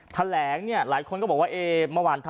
การแถลงหลายคนบอกว่าเมื่อเวันงานท่านพูด